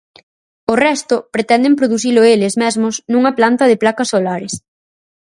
O resto pretenden producilo eles mesmos nunha planta de placas solares.